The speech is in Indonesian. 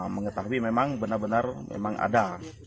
mengetahui memang benar benar memang ada